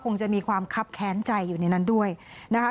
คงจะมีความคับแค้นใจอยู่ในนั้นด้วยนะคะ